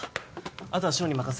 あとは志保に任せる。